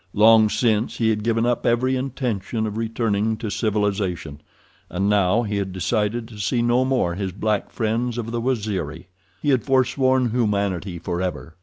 Long since he had given up every intention of returning to civilization, and now he had decided to see no more his black friends of the Waziri. He had foresworn humanity forever.